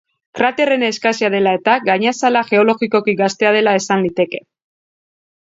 Kraterren eskasia dela eta, gainazala geologikoki gaztea dela esan liteke.